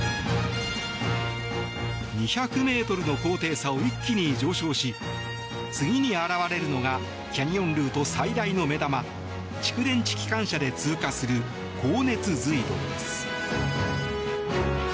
２００ｍの高低差を一気に上昇し次に現れるのがキャニオンルート最大の目玉蓄電池機関車で通過する高熱隧道です。